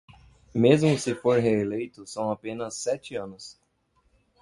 Mesmo se for reeleito, são apenas sete anos.